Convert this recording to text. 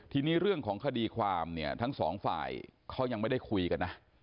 ทีนี้เรื่องของคดีความเนี่ยทั้งสองฝ่ายเขายังไม่ได้คุยกันนะ